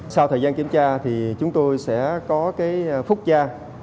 sau thời gian kiểm tra thì chúng tôi sẽ có phúc gia